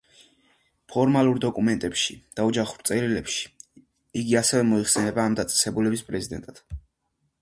ფორმალურ დოკუმენტებში და ოჯახის წერილებში, იგი ასევე მოიხსენიება ამ დაწესებულების პრეზიდენტად.